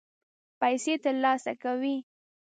پیسې ترلاسه کوي.